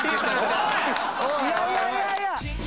いやいやいやいや。